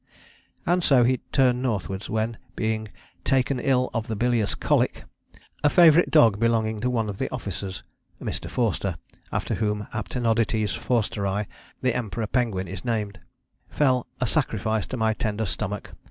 " And so he turned northwards, when, being "taken ill of the bilious colic," a favourite dog belonging to one of the officers (Mr. Forster, after whom Aptenodytes forsteri, the Emperor penguin, is named) "fell a sacrifice to my tender stomach....